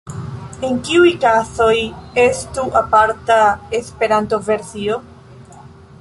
En kiuj kazoj estu aparta Esperanto-versio?